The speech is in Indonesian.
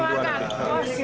gak tau aku